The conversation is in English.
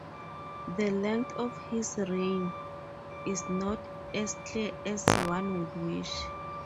The length of his reign is not as clear as one would wish.